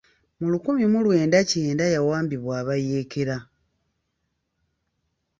Mu lukumi mu lwenda kyenda, yawambibwa abayeekera.